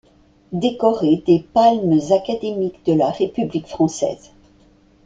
Décoré des palmes académiques de la République Française.